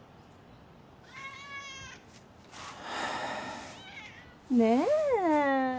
はあねえ